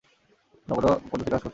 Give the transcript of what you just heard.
অন্য কোনো পদ্ধতি কাজ করছে।